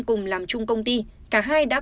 cùng làm chung công ty cả hai đã